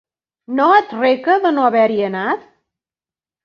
No et reca de no haver-hi anat?